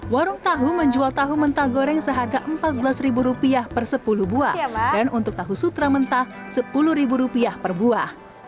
warung tahu menjual tahu mentah goreng seharga rp empat belas per sepuluh buah dan untuk tahu sutra mentah rp sepuluh per buah